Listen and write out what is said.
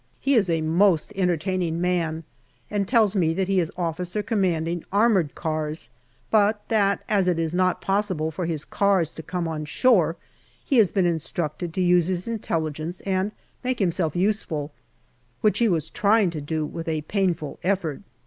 He is a most entertaining man, and tells me that he is O.C. Armoured Cars, but that as it is not possible for his cars to come on shore, he had been instructed to use his intelli gence and make himself useful, which he was trying to do with a painful effort.